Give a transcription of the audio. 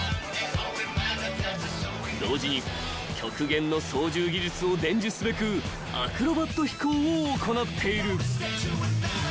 ［同時に極限の操縦技術を伝授すべくアクロバット飛行を行っている］